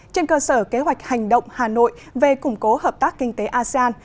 trên cơ sở kế hoạch hành động hà nội về củng cố hợp tác kinh tế asean